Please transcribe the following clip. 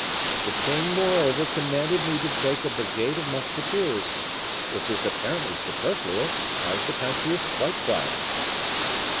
"The king, moreover, commanded me to take a brigade of musketeers, which is apparently superfluous, as the country is quite quiet."